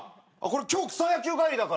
今日草野球帰りだから。